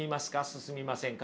進みませんか？